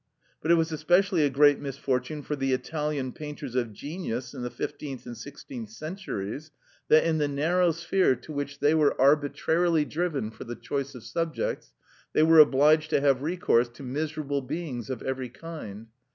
But it was especially a great misfortune for the Italian painters of genius in the fifteenth and sixteenth centuries that, in the narrow sphere to which they were arbitrarily driven for the choice of subjects, they were obliged to have recourse to miserable beings of every kind.